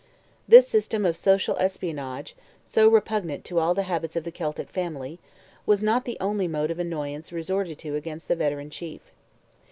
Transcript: This system of social espionage, so repugnant to all the habits of the Celtic family, was not the only mode of annoyance resorted to against the veteran chief.